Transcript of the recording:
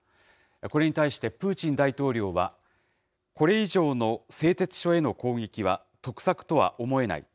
これに対してプーチン大統領は、これ以上の製鉄所への攻撃は得策とは思えない。